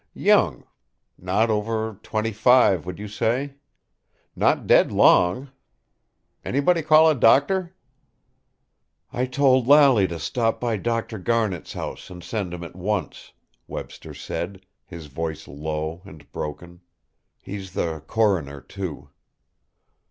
Young not over twenty five, would you say? Not dead long. Anybody call a doctor?" "I told Lally to stop by Dr. Garnet's house and send him at once," Webster said, his voice low, and broken. "He's the coroner, too."